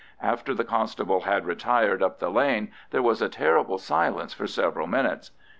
After the constable had retired up the lane there was a terrible silence for several minutes.